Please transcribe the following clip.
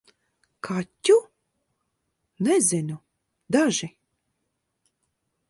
Kaķu? Nezinu - daži.